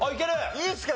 いいですか？